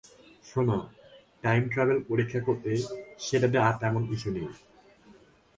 শোনো, time travel পরীক্ষা করতে করতে সেটাতে আর তেমন কিছু নেই।